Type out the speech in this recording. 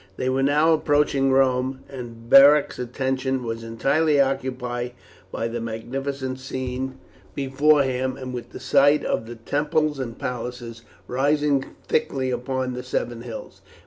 They were now approaching Rome, and Beric's attention was entirely occupied by the magnificent scene before him, and with the sight of the temples and palaces rising thickly upon the seven hills.